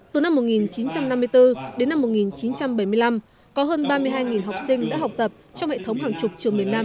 từ năm một nghìn chín trăm năm mươi bốn đến năm một nghìn chín trăm bảy mươi năm có hơn ba mươi hai học sinh đã học tập trong hệ thống hàng chục trường miền nam